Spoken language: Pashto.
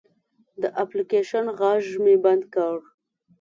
د اپلیکیشن غږ مې بند کړ.